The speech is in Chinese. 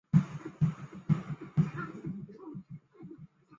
北京各界人士希望在宪法中争取确立民权。